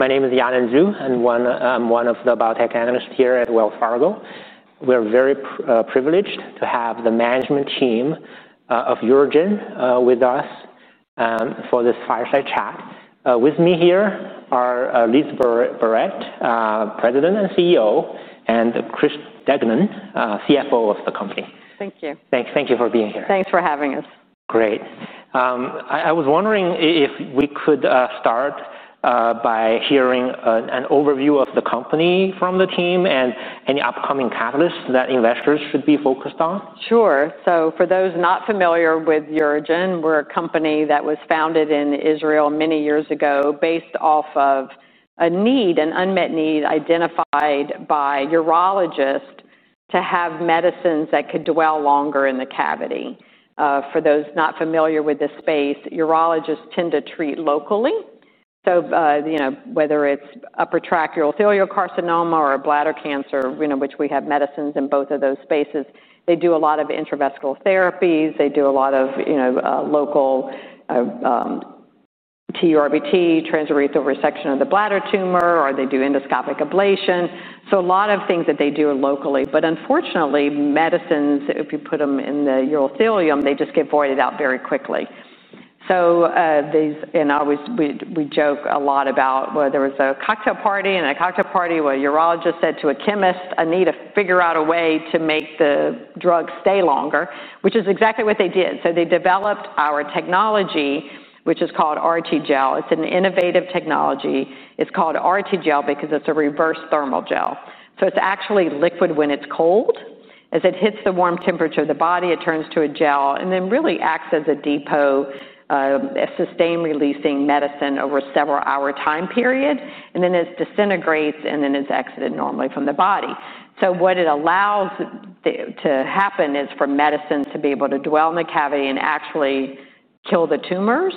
My name is Yanan Zhu, and I'm one of the biotech analysts here at Wells Fargo. We're very privileged to have the management team of UroGen with us for this fireside chat. With me here are Liz Barrett, President and CEO and Chris Degmann, CFO of the company. Thank you. Thank you for being here. Thanks for having us. Great. I was wondering if we could start by hearing an overview of the company from the team and any upcoming catalysts that investors should be focused on? Sure. So for those not familiar with UroGen, we're a company that was founded in Israel many years ago based off of a need, an unmet need identified by urologists to have medicines that could dwell longer in the cavity. For those not familiar with this space, urologists tend to treat locally. So whether it's upper tract urothelial carcinoma or bladder cancer, which we have medicines in both of those spaces, they do a lot of intravesical therapies. They do a lot of local TURBT, transurethral resection of the bladder tumor, or they do endoscopic ablation. So a lot of things that they do locally. But unfortunately, medicines, if you put them in the urothelium, they just get voided out very quickly. And we joke a lot about whether it's a cocktail party and a cocktail party where a urologist said to a chemist, I need to figure out a way to make the drug stay longer, which is exactly what they did. So they developed our technology, which is called RTGel. It's an innovative technology. It's called RTGel because it's a reverse thermal gel. So it's actually liquid when it's cold. As it hits the warm temperature of the body, it turns to a gel and then really acts as a depot, a sustained releasing medicine over a several hour time period. And then it disintegrates, and then it's exited normally from the body. So what it allows to happen is for medicine to be able to dwell in the cavity and actually kill the tumors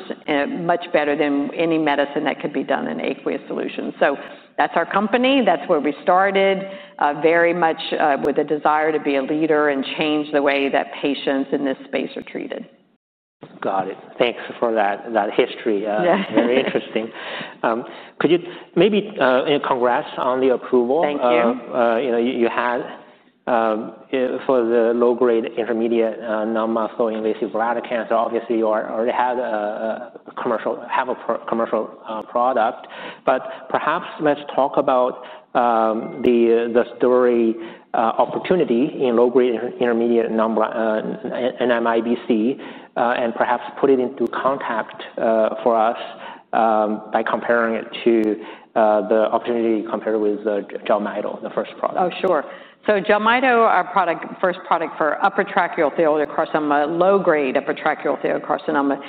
much better than any medicine that could be done in aqueous solution. So that's our company. That's where we started, very much with a desire to be a leader and change the way that patients in this space are treated. Got it. Thanks for that history. Very interesting. Could you maybe and congrats on the approval. Thank you. You had for the low grade intermediate non muscle invasive bladder cancer, obviously, you already had commercial have a commercial product. But perhaps let's talk about the story opportunity in low grade intermediate NMIBC and perhaps put it into contact for us by comparing it to the opportunity compared with Jelmyto, the first product. Oh, sure. So Jelmyto, our product first product for upper tracheal theodiac carcinoma, low grade upper tracheal theodiac carcinoma,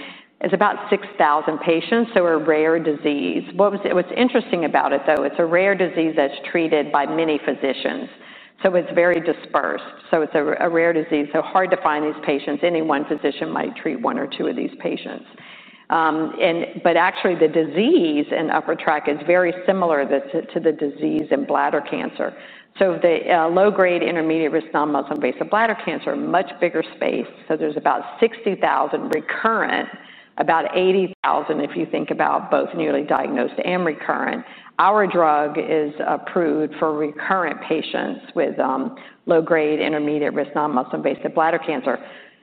is about six thousand patients, so a rare disease. What's interesting about it, though, it's a rare disease that's treated by many physicians. So it's very dispersed. So it's a rare disease. So hard to find these patients. Any one physician might treat one or two of these patients. But actually, the disease in upper track is very similar to the disease in bladder cancer. So the low grade intermediate risk non muscle invasive bladder cancer, a much bigger space. So there's about sixty thousand recurrent, about eighty thousand if you think about both newly diagnosed and recurrent. Our drug is approved for recurrent patients with low grade intermediate risk non muscle invasive bladder cancer.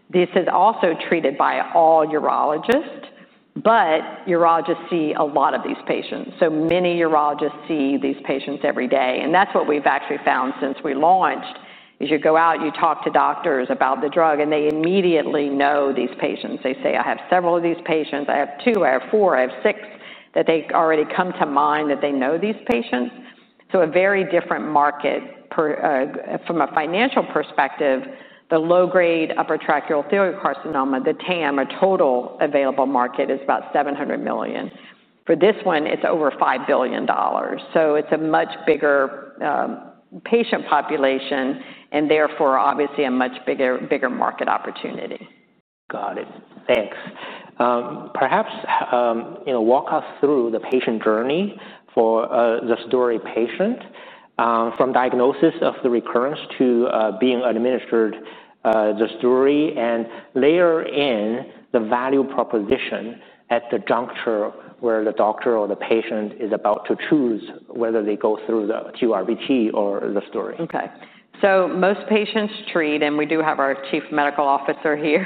This is also treated by all urologists. But urologists see a lot of these patients. So many urologists see these patients every day. And that's what we've actually found since we launched, is you go out and you talk to doctors about the drug, and they immediately know these patients. They say, I have several of these patients. I have two. I have four. I have six. That they already come to mind that they know these patients. So a very different market. From a financial perspective, the low grade upper tracheal thalidocarcinoma, the TAM, or total available market, is about $700,000,000 For this one, it's over $5,000,000,000 So it's a much bigger patient population and therefore obviously a much bigger market opportunity. Got it. Thanks. Perhaps walk us through the patient journey for the STORE patient from diagnosis of the recurrence to being administered the STORI and layer in the value proposition at the juncture where the doctor or the patient is about to choose whether they go through the QRPT or the story? Okay. So most patients treat and we do have our chief medical officer here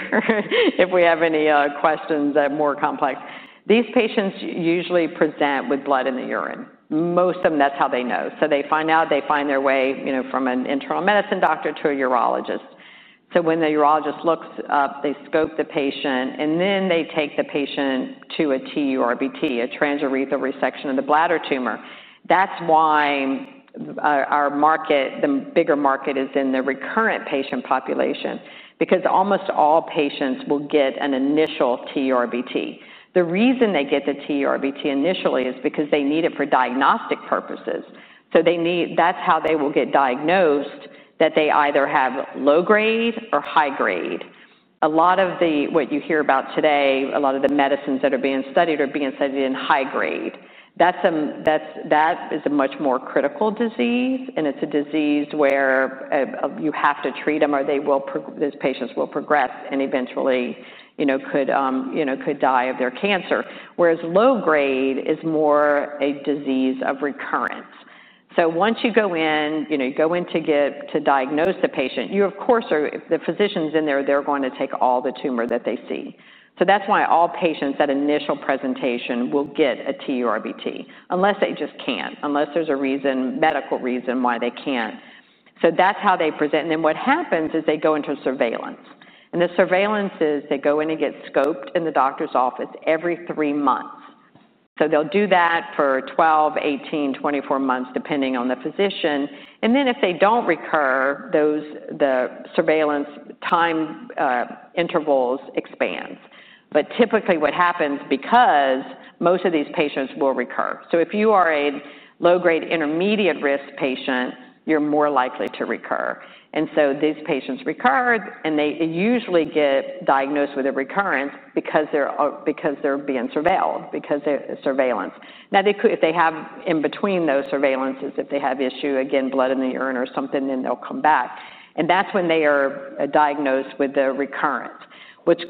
if we have any questions that are more complex. These patients usually present with blood in the urine. Most of them, that's how they know. So they find out, they find their way from an internal medicine doctor to a urologist. So when the urologist looks up, they scope the patient, and then they take the patient to a TURBT, a transurethral resection of the bladder tumor. That's why our market, the bigger market, is in the recurrent patient population, because almost all patients will get an initial TURBT. The reason they get the TURBT initially is because they need it for diagnostic purposes. So they need that's how they will get diagnosed, that they either have low grade or high grade. A lot of the what you hear about today, a lot of the medicines that are being studied are being studied in high grade. That is a much more critical disease. And it's a disease where you have to treat them, or those patients will progress and eventually could die of their cancer. Whereas low grade is more a disease of recurrence. So once you go in, you go in to diagnose the patient, you of course are the physician's in there, they're going to take all the tumor that they see. So that's why all patients at initial presentation will get a TURBT, unless they just can't, unless there's a reason medical reason why they can't. So that's how they present. And then what happens is they go into surveillance. And the surveillance is they go in and get scoped in the doctor's office every three months. So they'll do that for twelve, eighteen, twenty four months, depending on the physician. And then if they don't recur, the surveillance time intervals expand. But typically what happens, because most of these patients will recur so if you are a low grade intermediate risk patient, you're more likely to recur. And so these patients recur, and they usually get diagnosed with a recurrence because they're being surveilled, because of surveillance. Now, they have in between those surveillance, if they have issue, again, blood in the urine or something, then they'll come back. And that's when they are diagnosed with the recurrent. What's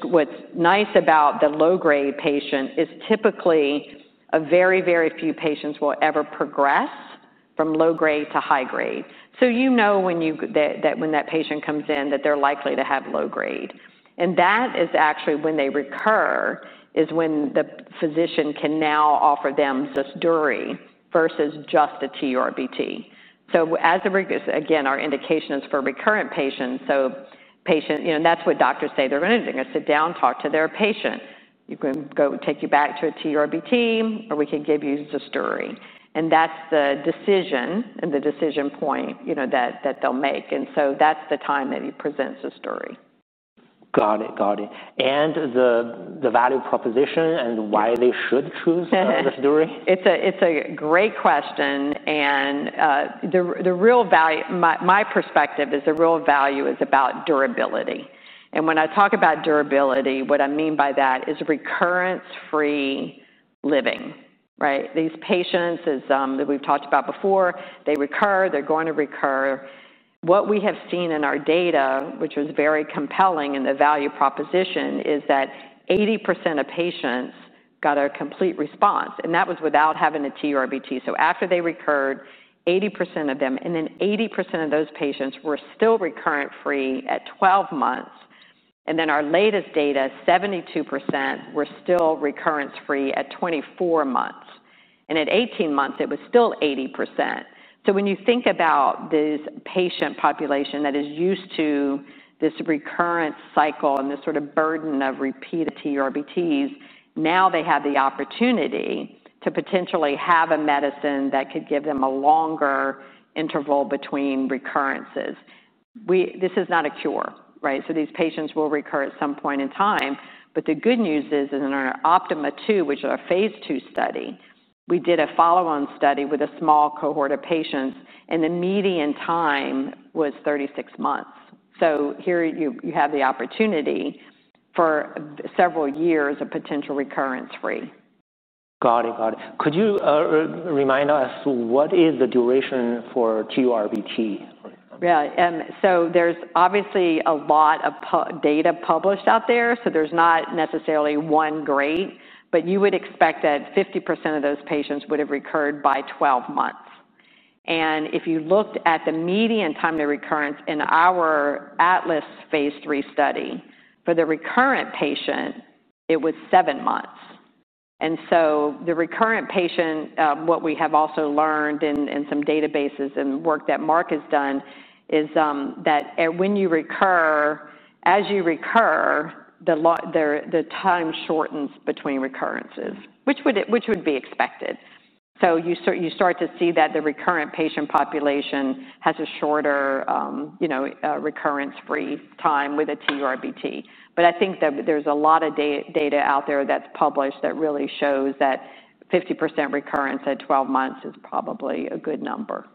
nice about the low grade patient is typically a very, very few patients will ever progress from low grade to high grade. So you know when that patient comes in that they're likely to have low grade. And that is actually when they recur is when the physician can now offer them Zasduri versus just a TURBT. So as a again, our indication is for recurrent patients. So patient and that's what doctors say. Going to sit down, talk to their patient. You can go and take you back to a TURBT, or we can give you Zasturi. And that's the decision and the decision point, you know, that that they'll make. And so that's the time that he presents the story. Got it. Got it. And the the value proposition and why they should choose this jury? It's great question. And the real value my perspective is the real value is about durability. And when I talk about durability, what I mean by that is recurrence free living. These patients that we've talked about before, they recur. They're going to recur. What we have seen in our data, which was very compelling in the value proposition, is that eighty percent of patients got a complete response. And that was without having a TURBT. So after they recurred, eighty percent of them and then eighty percent of those patients were still recurrent free at twelve months. And then our latest data, seventy two percent were still recurrence free at twenty four months. And at eighteen months, it was still eighty percent. So when you think about this patient population that is used to this recurrent cycle and this sort of burden of repeat ERBTs, now they have the opportunity to potentially have a medicine that could give them a longer interval between recurrences. This is not a cure, right? So these patients will recur at some point in time. But the good news is in our OPTIMA II, which is our phase two study, we did a follow on study with a small cohort of patients. And the median time was thirty six months. So here, you have the opportunity for several years of potential recurrence free. Got it. Got it. Could you remind us what is the duration for GURBT? Yeah. So there's obviously a lot of data published out there. So there's not necessarily one grade. But you would expect that fifty percent of those patients would have recurred by twelve months. And if you looked at the median time to recurrence in our ATLAS phase three study, for the recurrent patient, it was seven months. And so the recurrent patient, what we have also learned in in some databases and work that Mark has done is that when you recur, as you recur, time shortens between recurrences, which would be expected. So you start to see that the recurrent patient population has a shorter recurrence free time with a TURBT. But I think that there's a lot of data out there that's published that really shows that fifty percent recurrence at twelve months is probably a good number.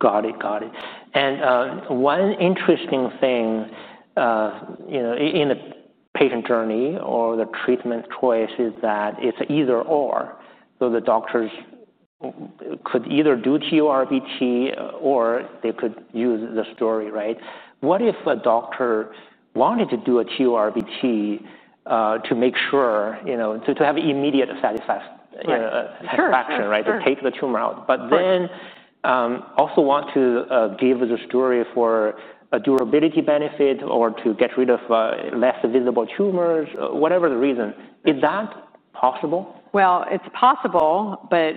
Got it. Got it. And one interesting thing in the patient journey or the treatment choice is that it's either or so the doctors could either do TURBT or they could use the story, right? What if a doctor wanted to do a QRBT to make sure you know to have immediate satisfaction, to take the tumor out, but then also want to give the story for a durability benefit or to get rid of less visible tumors, whatever the reason. Is that possible? Well, it's possible, but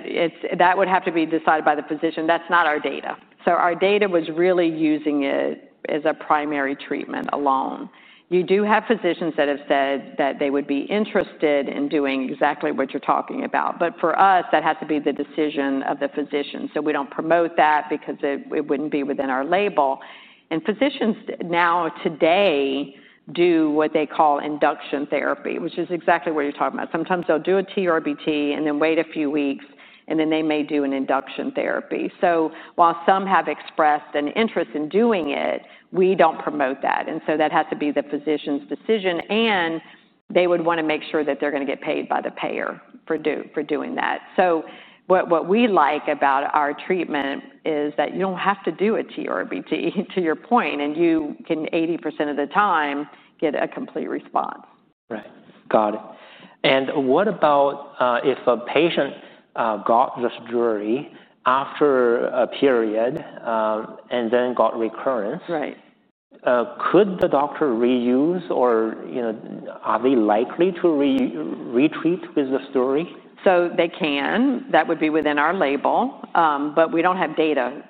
that would have to be decided by the physician. That's not our data. So our data was really using it as a primary treatment alone. You do have physicians that have said that they would be interested in doing exactly what you're talking about. But for us, that has to be the decision of the physician. So we don't promote that because it wouldn't be within our label. And physicians now, today, do what they call induction therapy, which is exactly what you're talking about. Sometimes they'll do a TRBT and then wait a few weeks, And then they may do an induction therapy. So while some have expressed an interest in doing it, we don't promote that. And so that has to be the physician's decision. And they would want to make sure that they're going to get paid by the payer for doing that. So what what we like about our treatment is that you don't have to do a T or a BT, to your point, and you can 80% of the time get a complete response. Right. Got it. And what about if a patient got this jury after a period and then got recurrence? Right. Could the doctor reuse or, you know, are they likely to re retreat with the story? So they can. That would be within our label. But we don't have data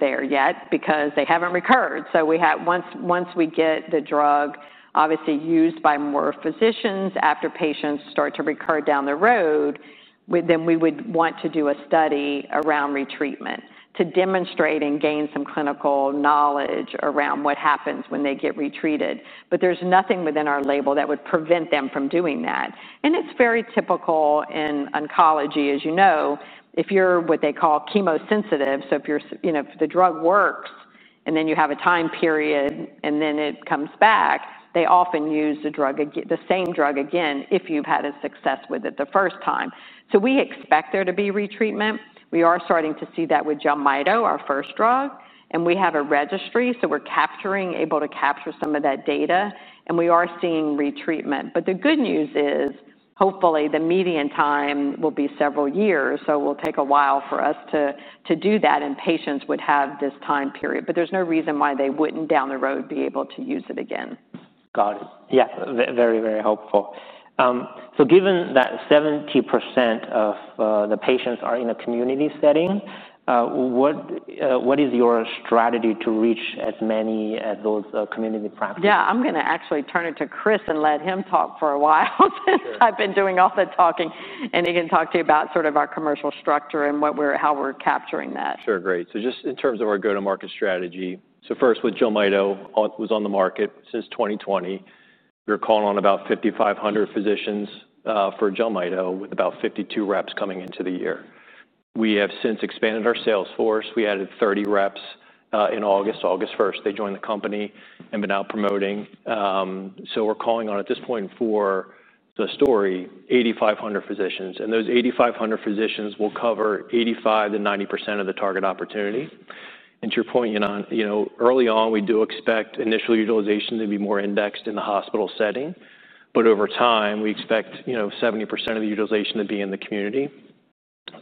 there yet because they haven't recurred. So once we get the drug obviously used by more physicians after patients start to recur down the road, then we would want to do a study around retreatment to demonstrate and gain some clinical knowledge around what happens when they get retreated. But there's nothing within our label that would prevent them from doing that. And it's very typical in oncology, as you know, if you're what they call chemo sensitive. So if the drug works, and then you have a time period, and then it comes back, they often use the same drug again if you've had a success with it the first time. So we expect there to be retreatment. We are starting to see that with Jelmyto, our first drug. And we have a registry, so we're capturing, able to capture some of that data. And we are seeing retreatment. But the good news is, hopefully, the median time will be several years, so it will take a while for us to do that, and patients would have this time period. But there's no reason why they wouldn't, down the road, be able to use it again. Got it. Yeah. Very, very helpful. So given that seventy percent of the patients are in a community setting, what is your strategy to reach as many as those community practices? Yeah. I'm going to actually turn it to Chris and let him talk for a while. I've been doing all the talking, and he can talk to you about sort of our commercial structure and what we're how we're capturing that. Sure. Great. So just in terms of our go to market strategy. So first, with Joe Mido, who's on the market since 2020. We're calling on about 5,500 physicians for Jelmyto with about 52 reps coming into the year. We have since expanded our sales force. We added 30 reps in August. August 1, they joined the company and been now promoting. So we're calling on at this point for the story, 8,500 physicians. And those 8,500 physicians will cover 85% to 90% of the target opportunity. And to your point, Ynon, early on we do expect initial utilization to be more indexed in the hospital setting, but over time we expect 70% of the utilization to be in the community.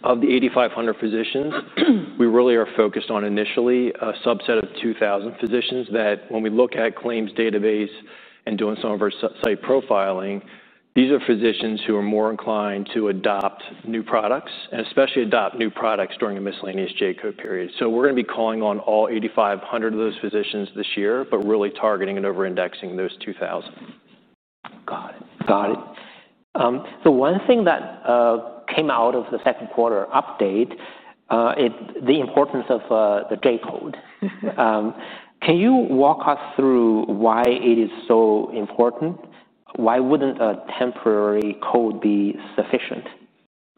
Of the 8,500 physicians, we really are focused on initially a subset of 2,000 physicians that when we look at claims database and doing some of our site profiling, these are physicians who are more inclined to adopt new products and especially adopt new products during a miscellaneous J code period. So we're going be calling on all 8,500 of those physicians this year, but really targeting and over indexing those 2,000. Got it. So one thing that came out of the second quarter update, it the importance of the J code. Can you walk us through why it is so important? Why wouldn't a temporary code be sufficient?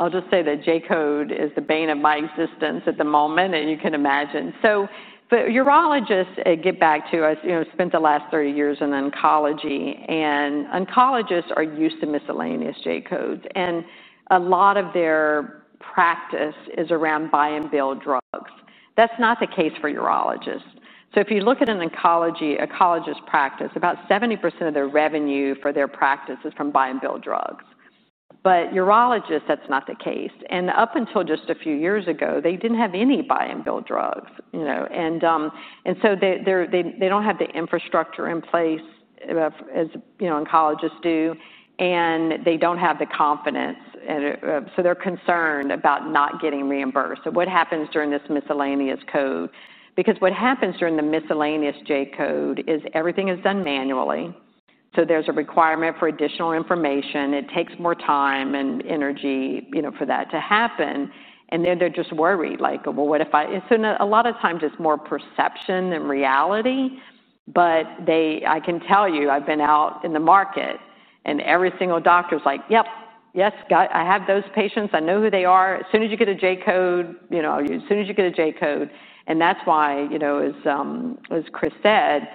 I'll just say that J code is the bane of my existence at the moment, and you can imagine. So urologists get back to us, you know, spent the last thirty years in oncology. And oncologists are used to miscellaneous J codes. And a lot of their practice is around buy and bill drugs. That's not the case for urologists. So if you look at an oncology a college's practice, about 70% of their revenue for their practice is from buy and bill drugs. But urologists, that's not the case. And up until just a few years ago, they didn't have any buy and build drugs. And so they don't have the infrastructure in place, as oncologists do. And they don't have the confidence. So they're concerned about not getting reimbursed. So what happens during this miscellaneous code? Because what happens during the miscellaneous j code is everything is done manually. So there's a requirement for additional information. It takes more time and energy, you know, for that to happen. And then they're just worried. Like, well, what if I and so a lot of times, it's more perception than reality. But I can tell you, I've been out in the market, and every single doctor is like, yep, yes, I have those patients. I know who they are. As soon as you get a J code, know, as soon as you get a J code. And that's why, as Chris said,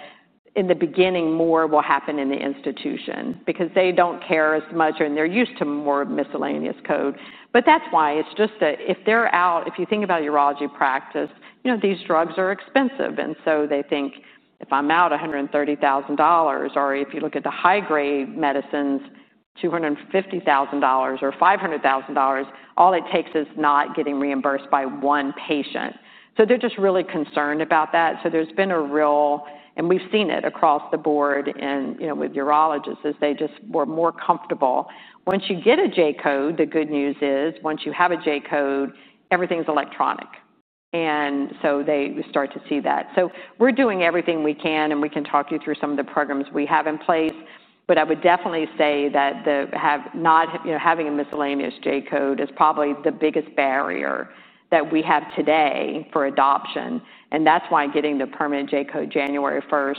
in the beginning, more will happen in the institution. Because they don't care as much, and they're used to more miscellaneous code. But that's why it's just that if they're out if you think about urology practice, these drugs are expensive. And so they think, I'm out $130,000 or if you look at the high grade medicines, dollars 250,000 or $500,000 all it takes is not getting reimbursed by one patient. So they're just really concerned about that. So there's been a real and we've seen it across the board and with urologists as they just were more comfortable. Once you get a J code, the good news is once you have a J code, everything's electronic. And so they start to see that. So we're doing everything we can, and we can talk you through some of the programs we have in place. But I would definitely say that the have not you know, having a miscellaneous J code is probably the biggest barrier that we have today for adoption. And that's why getting the permanent J code January 1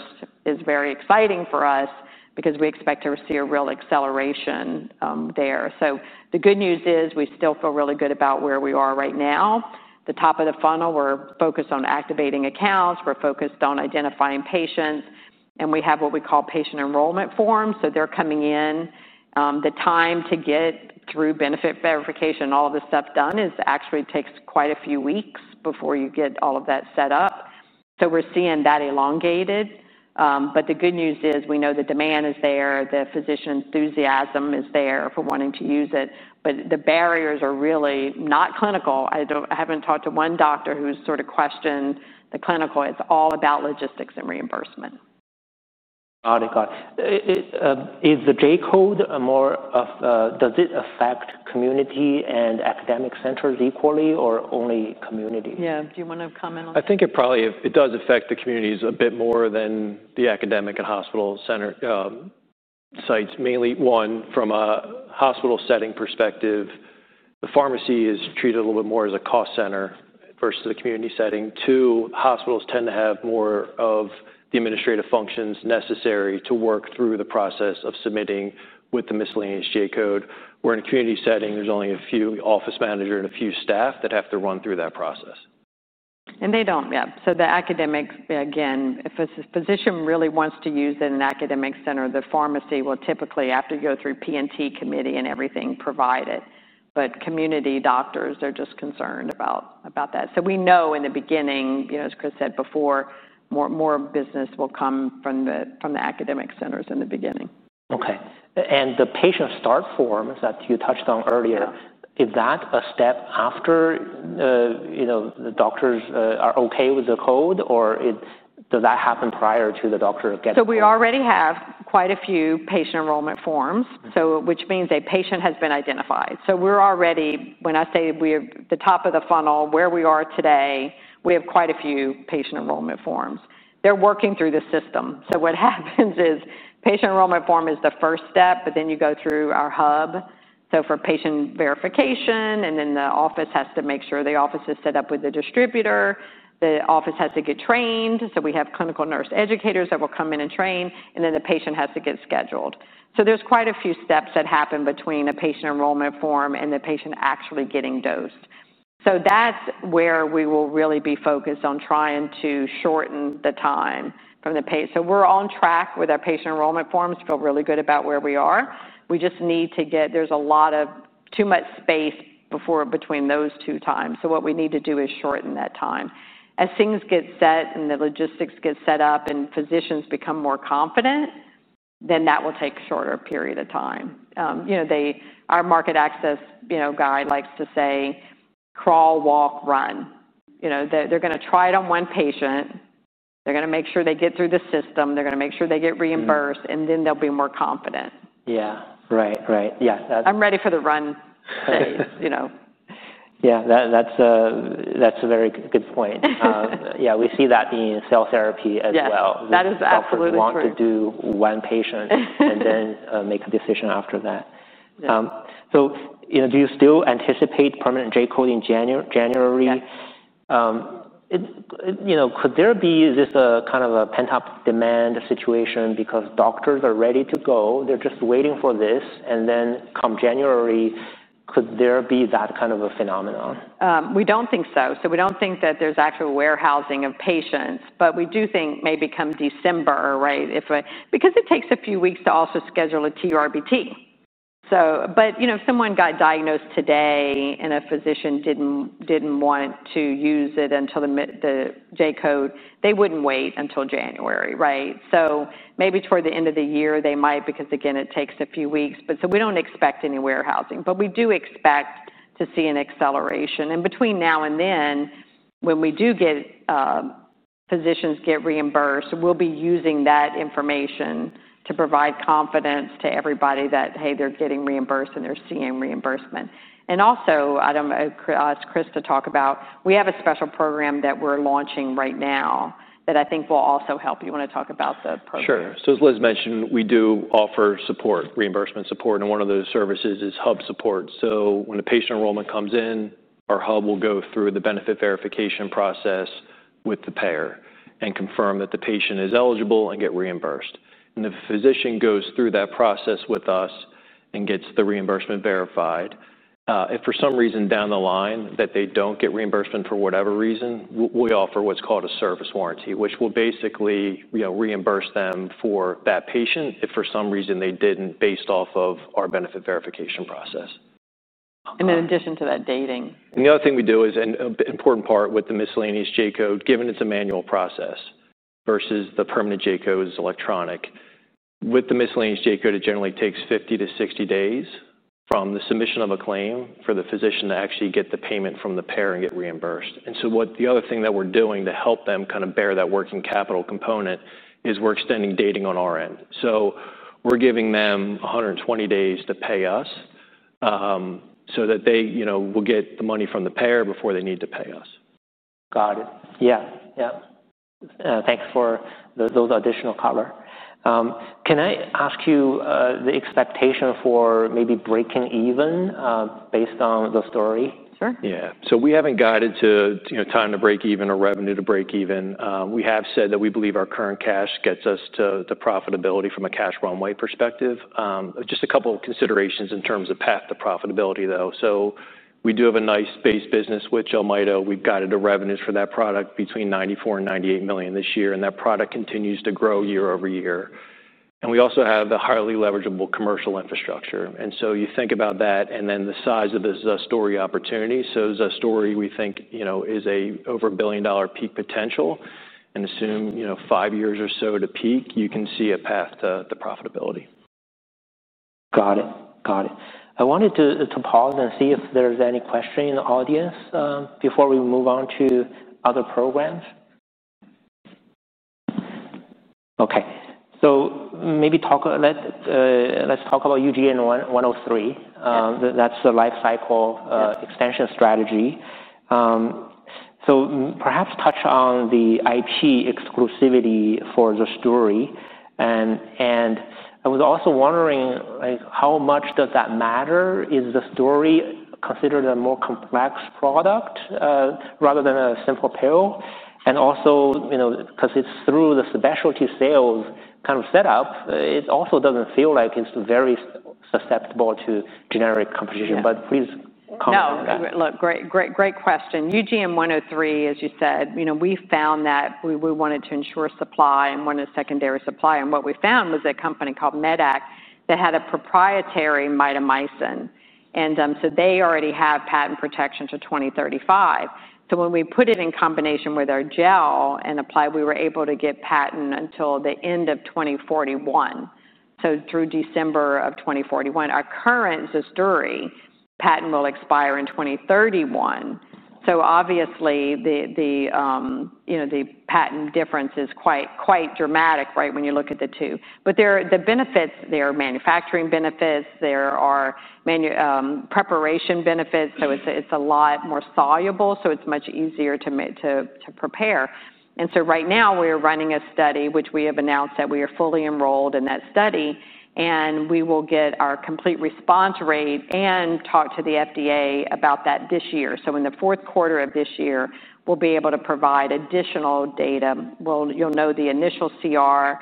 is very exciting for us because we expect to see a real acceleration there. So the good news is we still feel really good about where we are right now. The top of the funnel, we're focused on activating accounts. We're focused on identifying patients. And we have what we call patient enrollment forms. So they're coming in. The time to get through benefit verification, all of this stuff done is actually takes quite a few weeks before you get all of that set up. So we're seeing that elongated. But the good news is we know the demand is there. The physician enthusiasm is there for wanting to use it. But the barriers are really not clinical. I haven't talked to one doctor who's sort of questioned the clinical. It's all about logistics and reimbursement. Got it. Got it. The J code more of does it affect community and academic centers equally or only community? Yeah, do you want to comment on that? I think it probably it does affect the communities a bit more than the academic and hospital center sites. Mainly, one, from a hospital setting perspective, the pharmacy is treated a little bit more as a cost center versus the community setting. Two, hospitals tend to have more of the administrative functions necessary to work through the process of submitting with the miscellaneous J code. Where in a community setting, there's only a few office manager and a few staff that have to run through that process. And they don't, yep. So the academic again, if a physician really wants to use an academic center, the pharmacy typically, after you go through P and T committee and everything, provide it. But community doctors are just concerned about that. So we know in the beginning, as Chris said before, more business will come from the academic centers in the beginning. Okay. And the patient start forms that you touched on earlier, is that a step after the doctors are Okay with the code? Or does that happen prior to the doctor getting So we already have quite a few patient enrollment forms, which means a patient has been identified. So we're already when I say we are the top of the funnel, where we are today, we have quite a few patient enrollment forms. They're working through the system. So what happens is patient enrollment form is the first step, but then you go through our hub. So for patient verification, and then the office has to make sure the office is set up with the distributor. The office has to get trained. So we have clinical nurse educators that will come in and train. And then the patient has to get scheduled. So there's quite a few steps that happen between a patient enrollment form and the patient actually getting dosed. So that's where we will really be focused on trying to shorten the time from the pace. So we're on track with our patient enrollment forms. We feel really good about where we are. We just need to get there's a lot of too much space before between those two times. So what we need to do is shorten that time. As things get set and the logistics get set up and physicians become more confident, then that will take a shorter period of time. Our market access guy likes to say crawl, walk, run. You know, they're they're gonna try it on one patient. They're gonna make sure they get through the system. They're gonna make sure they get reimbursed, and then they'll be more confident. Yeah. Right. Right. Yeah. That's I'm ready for the run phase. You know? Yeah. That's a very good point. Yeah. We see that in cell therapy as well. That is absolutely to do one patient and then make a decision after that. Do you still anticipate permanent J code in January? Yes. Could there be this kind of a pent up demand situation because doctors are ready to go? They're just waiting for this. And then come January, could there be that kind of a phenomenon? We don't think so. So we don't think that there's actual warehousing of patients. But we do think maybe come December, right, if I because it takes a few weeks to also schedule a TURBT. But if someone got diagnosed today and a physician didn't want to use it until the J code, they wouldn't wait until January. Right? So maybe toward the end of the year, they might because, again, it takes a few weeks. But so we don't expect any warehousing. But we do expect to see an acceleration. And between now and then, when we do get physicians get reimbursed, we'll be using that information to provide confidence to everybody that, hey, they're getting reimbursed and they're seeing reimbursement. And also, Adam, I'll ask Chris to talk about, we have a special program that we're launching right now that I think will also help. You want to talk about Sure. So as Liz mentioned, we do offer support, reimbursement support. And one of those services is hub support. So when a patient enrollment comes in, our hub will go through the benefit verification process with the payer and confirm that the patient is eligible and get reimbursed. And the physician goes through that process with us and gets the reimbursement verified. If for some reason down the line that they don't get reimbursement for whatever reason, we offer what's called a service warranty, which will basically reimburse them for that patient if for some reason they didn't based off of our benefit verification process. And in addition to that dating And the other thing we do is an important part with the miscellaneous j code, given it's a manual process versus the permanent j code is electronic. With the miscellaneous J code it generally takes fifty to sixty days from the submission of a claim for the physician to actually get the payment from the payer and get reimbursed. And so what the other thing that we're doing to help them kind of bear that working capital component is we're extending dating on our end. So we're giving them a hundred and twenty days to pay us so that they, you know, will get the money from the payer before they need to pay us. Got it. Yeah. Yeah. Thanks for those additional color. Can I ask you the expectation for maybe breaking even based on the story? Sure. Yes. So we haven't guided to time to breakeven or revenue to breakeven. We have said that we believe our current cash gets us to profitability from a cash runway perspective. Just a couple of considerations in terms of path to profitability though. So we do have a nice base business with Almighta. We've guided the revenues for that product between 94,000,000 and $98,000,000 this year, and that product continues to grow year over year. And we also have the highly leverageable commercial infrastructure. And so you think about that and then the size of this XaStorY opportunity. So XaStorY, we think, is a over $1,000,000,000 peak potential and assume five years or so at a peak, you can see a path to profitability. Got it. Got it. I wanted to pause and see if there's any question in the audience before we move on to other programs. Okay. So maybe talk let's talk about UGN-one 103. That's the life cycle expansion strategy. So perhaps touch on the IP exclusivity for the story. And I was also wondering like how much does that matter? Is the story considered a more complex product rather than a simple pill? And also, you know, because it's through the specialty sales kind of setup, it also doesn't feel like it's very susceptible to generic competition, but please comment on that. Look, great question. UGM-one 100 three, as you said, we found that we wanted to ensure supply and wanted secondary supply. And what we found was a company called MedAct that had a proprietary mitomycin. And so they already have patent protection to 02/1935. So when we put it in combination with our gel and apply, we were able to get patent until the 2041, so through December 2041. Our current Zizduri patent will expire in 02/1931. So obviously, the patent difference is quite dramatic when you look at the two. But the benefits, there are manufacturing benefits. There are preparation benefits. So it's a lot more soluble, so it's much easier to prepare. And so right now, we are running a study, which we have announced that we are fully enrolled in that study. And we will get our complete response rate and talk to the FDA about that this year. So in the fourth quarter of this year, we'll be able to provide additional data. Well, you'll know the initial CR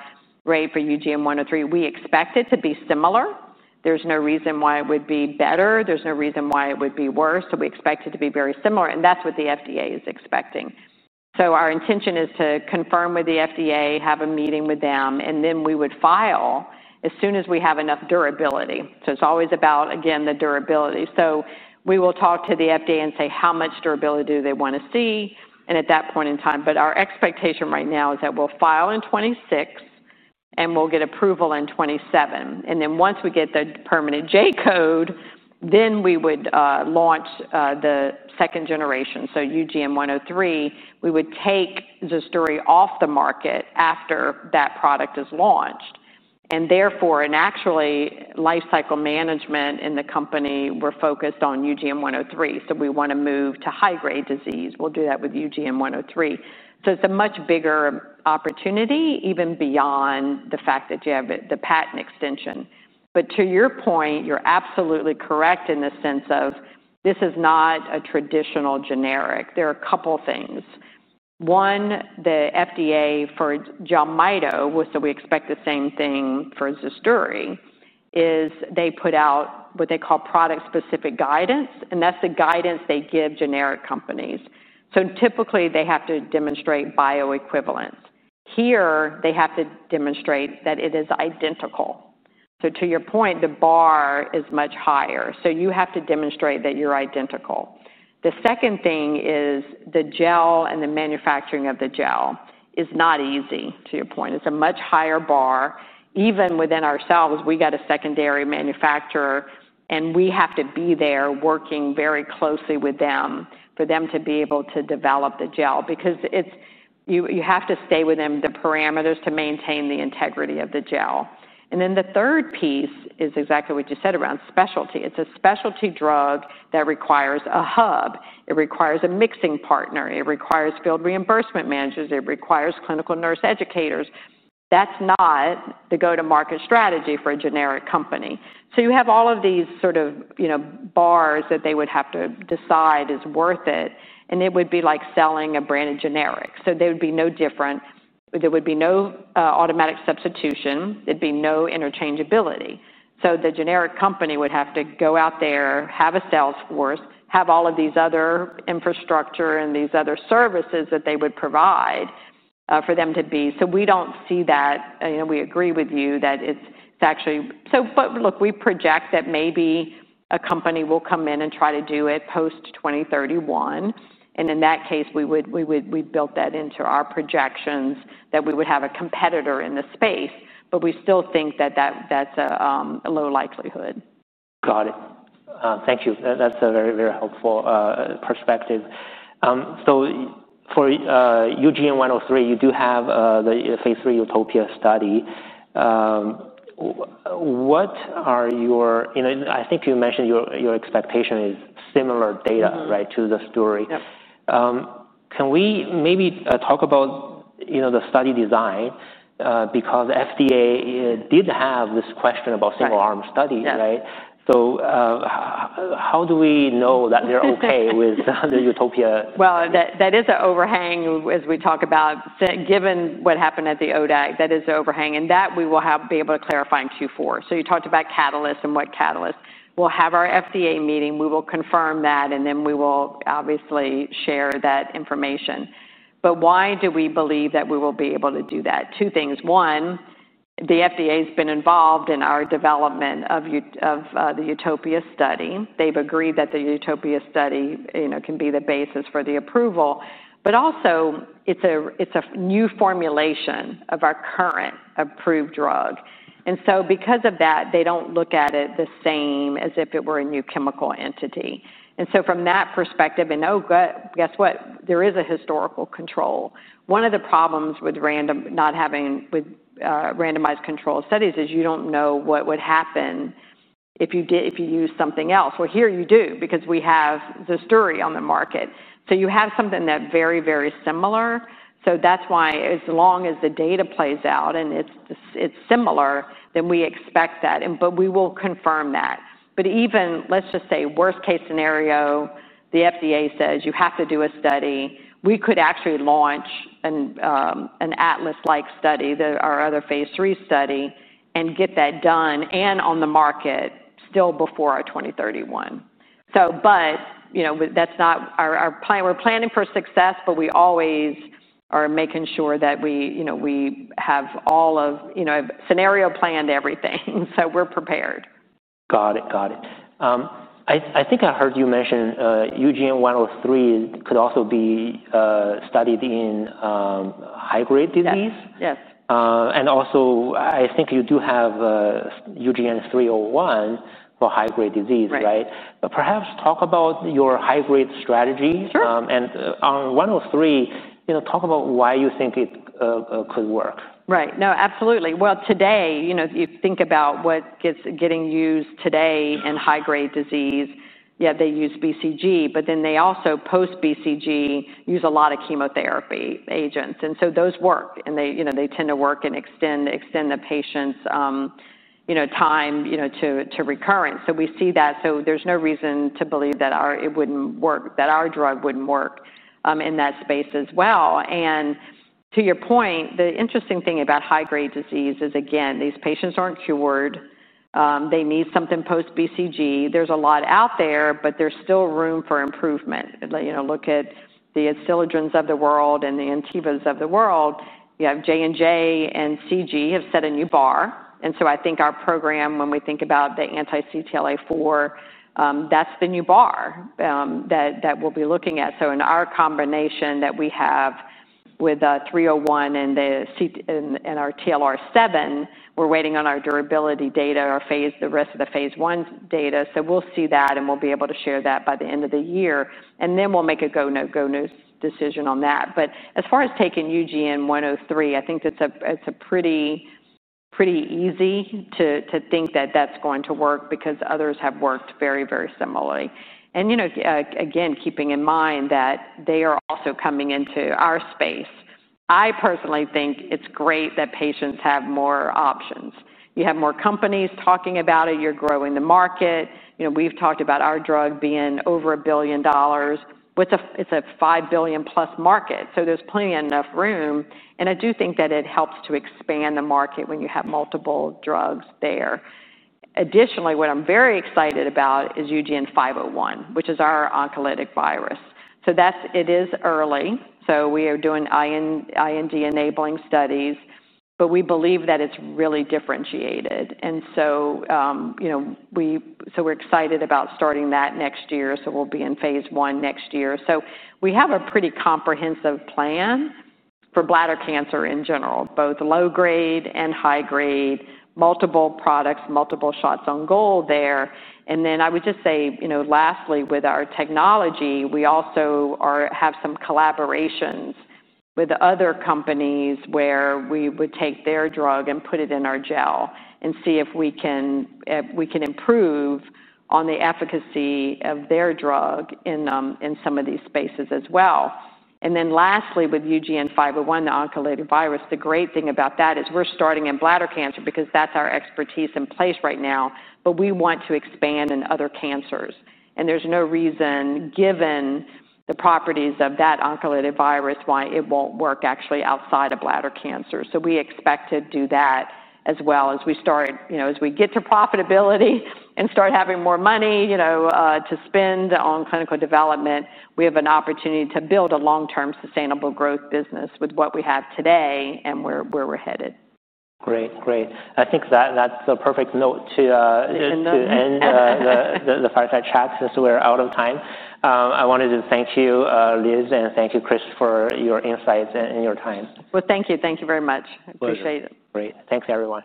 rate for UGM-one3. We expect it to be similar. There's no reason why it would be better. There's no reason why it would be worse. So we expect it to be very similar. And that's what the FDA is expecting. So our intention is to confirm with the FDA, have a meeting with them, and then we would file as soon as we have enough durability. So it's always about, again, the durability. So we will talk to the FDA and say how much durability do they wanna see and at that point in time. But our expectation right now is that we'll file in '26, and we'll get approval in '27. And then once we get the permanent J code, then we would launch the second generation, so UGM one zero three. We would take Zasturi off the market after that product is launched. And therefore and actually, life cycle management in the company, we're focused on UGM-one 103. So we want to move to high grade disease. We'll do that with UGM-one 103. So it's a much bigger opportunity even beyond the fact that you have the patent extension. But to your point, you're absolutely correct in the sense of this is not a traditional generic. There are a couple of things. One, the FDA for Jelmyto so we expect the same thing for Zasturi is they put out what they call product specific guidance. And that's the guidance they give generic companies. So typically, they have to demonstrate bioequivalence. Here, they have to demonstrate that it is identical. So to your point, the bar is much higher. So you have to demonstrate that you're identical. The second thing is the gel and the manufacturing of the gel is not easy, to your point. It's a much higher bar. Even within ourselves, we've got a secondary manufacturer. And we have to be there working very closely with them for them to be able to develop the gel. Because you have to stay within the parameters to maintain the integrity of the gel. And then the third piece is exactly what you said around specialty. It's a specialty drug that requires a hub. It requires a mixing partner. It requires field reimbursement managers. It requires clinical nurse educators. That's not the go to market strategy for a generic company. So you have all of these sort of bars that they would have to decide is worth it, and it would be like selling a branded generic. So there would be no different. There would be no automatic substitution. There'd be no interchangeability. So the generic company would have to go out there, have a Salesforce, have all of these other infrastructure and these other services that they would provide for them to be. So we don't see that. We agree with you that it's actually but look, we project that maybe a company will come in and try to do it post 02/1931. And in that case, we built that into our projections that we would have a competitor in the space, but we still think that that's a low likelihood. Got it. Thank you. That's a very, very helpful perspective. So for UGN-one hundred three, you do have the Phase III Utopia study. What are your I think you mentioned your expectation is similar data, right, to the story. Can we maybe talk about the study design? Because FDA did have this question about single arm studies, So how do we know that they're okay with the Utopia? Well, is an overhang as we talk about. Given what happened at the ODAC, that is the overhang. And that we will be able to clarify in Q4. So you talked about catalysts and what catalysts. We'll have our FDA meeting. We will confirm that. And then we will obviously share that information. But why do we believe that we will be able to do that? Two things. One, the FDA has been involved in our development of the Utopia study. They've agreed that the Utopia study can be the basis for the approval. But also, it's new formulation of our current approved drug. And so because of that, they don't look at it the same as if it were a new chemical entity. And so from that perspective and, oh, good. Guess what? There is a historical control. One of the problems with random not having with randomized controlled studies is you don't know what would happen if you did if you use something else. Well, here you do because we have the story on the market. So you have something that's very, very similar. So that's why as long as the data plays out and it's it's similar, then we expect that. But we will confirm that. But even, let's just say, worst case scenario, the FDA says you have to do a study. We could actually launch an ATLAS like study, our other phase three study, and get that done and on the market still before our 02/1931. So but, you know, that's not our our plan. We're planning for success, but we always are making sure that we, you know, we have all of you know, scenario planned everything. So we're prepared. Got it. Got it. I I think I heard you mention UGN one zero three could also be studied in high grade disease. Yes. And also, I think you do have UGN three zero one for high grade disease. Right? But perhaps talk about your high grade strategy. And on one zero three, talk about why you think it could work. Right. No. Absolutely. Well, today, if you think about what 's getting used today in high grade disease, yeah, they use BCG. But then they also post BCG use a lot of chemotherapy agents. And so those work. And they tend to work and extend the patient's time to recurrence. So we see that. So there's no reason to believe that it wouldn't work, that our drug wouldn't work in that space as well. And to your point, the interesting thing about high grade disease is, again, these patients aren't cured. They need something post BCG. There's a lot out there, but there's still room for improvement. Look at the Osilodrons of the world and the Antivas of the world. You have J and J and CG have set a new bar. And so I think our program, when we think about the anti CTLA-four, that's the new bar that we'll be looking at. So in our combination that we have with three zero one and our TLR seven, We're waiting on our durability data, our phase the rest of the phase one data. So we'll see that, and we'll be able to share that by the end of the year. And then we'll make a go, no go, no decision on that. But as far as taking UGN-one hundred three, I think it's pretty easy to think that that's going to work because others have worked very, very similarly. And again, keeping in mind that they are also coming into our space, I personally think it's great that patients have more options. You have more companies talking about it. You're growing the market. We've talked about our drug being over $1,000,000,000 It's a $5,000,000,000 plus market. So there's plenty enough room. And I do think that it helps to expand the market when you have multiple drugs there. Additionally, what I'm very excited about is UGN-five zero one, which is our oncolytic virus. So it is early. So we are doing IND enabling studies. But we believe that it's really differentiated. And so we're excited about starting that next year. So we'll be in phase one next year. So we have a pretty comprehensive plan for bladder cancer in general, both low grade and high grade, multiple products, multiple shots on goal there. And then I would just say, lastly, with our technology, we also have some collaborations with other companies where we would take their drug and put it in our gel and see if we can improve on the efficacy of their drug in some of these spaces as well. And then lastly, with UGN-five zero one, the oncolytic virus, the great thing about that is we're starting in bladder cancer because that's our expertise in place right now. But we want to expand in other cancers. And there's no reason, given the properties of that oncolytic virus, why it won't work actually outside of bladder cancer. So we expect to do that as well. As we get to profitability and start having more money to spend on clinical development, we have an opportunity to build a long term sustainable growth business with what we have today and where we're headed. Great, great. I think that's a perfect note to end the fireside chat since we're out of time. I wanted to thank you, Liz, and thank you, Chris, for your insights and your time. Well, thank you. Thank you very much. Appreciate it. Thanks, everyone.